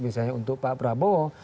misalnya untuk pak prabowo